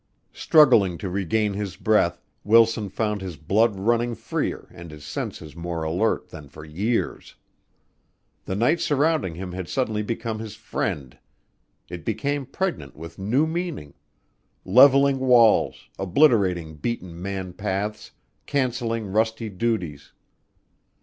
Struggling to regain his breath, Wilson found his blood running freer and his senses more alert than for years. The night surrounding him had suddenly become his friend. It became pregnant with new meaning, levelling walls, obliterating beaten man paths, cancelling rusty duties.